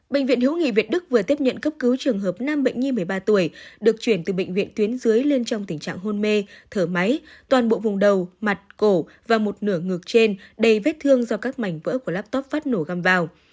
bệnh viện hữu nghị việt đức vừa tiếp nhận cấp cứu trường hợp nam bệnh nhi một mươi ba tuổi được chuyển từ bệnh viện tuyến dưới lên trong tình trạng hôn mê thở máy toàn bộ vùng đầu mặt cổ và một nửa ngực trên đầy vết thương do các mảnh vỡ của laptop phát nổ găm vào